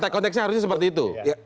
konteksnya harusnya seperti itu